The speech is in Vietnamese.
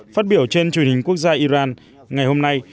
phát biểu trên truyền hình quốc gia iran ngày hôm nay